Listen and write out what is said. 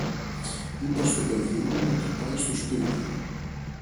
είπα στο παιδί μου να το πάει στο σπίτι.